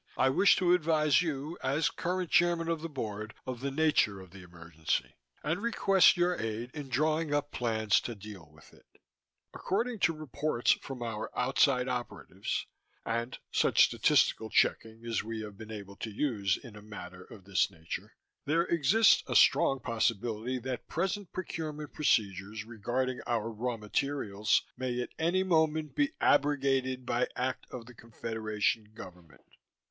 I wish to advise you, as current Chairman of the Board, of the nature of the emergency, and request your aid in drawing up plans to deal with it. According to reports from our outside operatives, and such statistical checking as we have been able to use in a matter of this nature, there exists a strong possibility that present procurement procedures regarding our raw materials may at any moment be abrogated by act of the Confederation government.